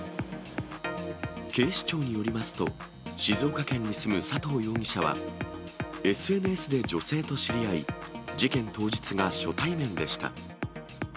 警視庁によりますと、静岡県に住む佐藤容疑者は、ＳＮＳで女性と知り合い、事件当日が初対面でした。